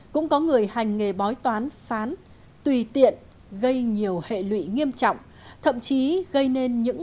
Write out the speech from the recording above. cũng có người hành nghề bói toán phán tùy tiện gây nhiều hệ lụy nghiêm trọng thậm chí gây nên những